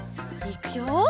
いくよ。